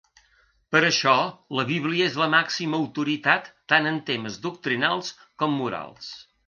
Per això la Bíblia és la màxima autoritat tant en temes doctrinals com morals.